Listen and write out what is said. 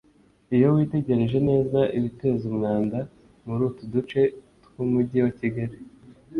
Iyo witegereje neza ibiteza umwanda muri utu duce tw’Umujyi wa Kigali